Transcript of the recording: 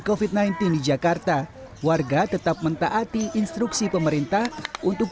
covid sembilan belas di jakarta warga tetap mentaati instruksi pemerintah untuk